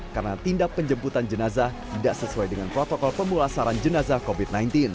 karena tindak penjemputan jenazah tidak sesuai dengan protokol pemulasaran jenazah covid sembilan belas